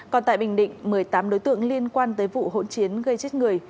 còn tại bình định một mươi tám đối tượng liên quan tới vụ hỗn chiến gây chết người